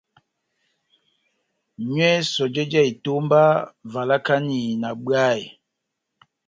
Nywɛ sɔjɛ já etomba, valakani na bwayɛ.